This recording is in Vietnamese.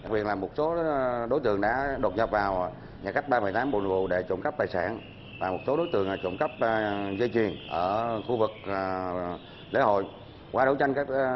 việc là một số đối tượng đã đột nhập vào nhà khách ba mươi tám bồn bồ để trộm cắp tài sản và một số đối tượng trộm cắp dây chuyền ở khu vực liên hợp